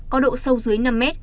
có độ sâu dưới năm m